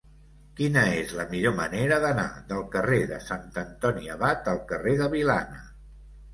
Quina és la millor manera d'anar del carrer de Sant Antoni Abat al carrer de Vilana?